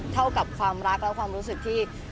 เท่ากับความรักและความรู้สึกที่